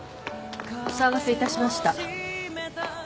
お騒がせ致しました。